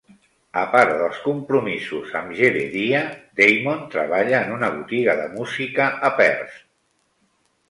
A part dels compromisos amb Jebediah, Daymond treballa en una botiga de música a Perth.